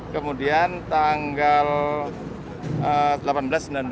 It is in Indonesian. kemudian tanggal delapan belas sembilan belas